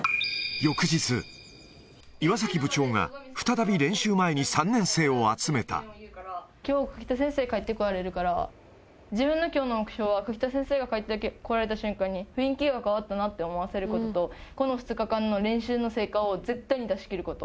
翌日、岩崎部長が再び練習前きょう、久木田先生帰ってこられるから、自分のきょうの目標は、久木田先生が帰ってこられた瞬間に、雰囲気が変わったなと思わせることと、この２日間の練習の成果を絶対に出し切ること。